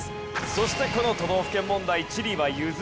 そしてこの都道府県問題地理は譲れない。